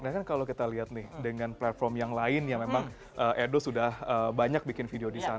nah kan kalau kita lihat nih dengan platform yang lain yang memang edo sudah banyak bikin video di sana